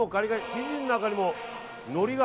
生地の中にも、のりが。